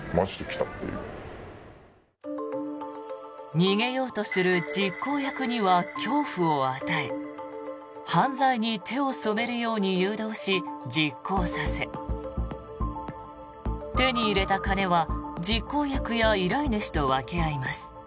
逃げようとする実行役には恐怖を与え犯罪に手を染めるように誘導し実行させ手に入れた金は実行役や依頼主と分け合います。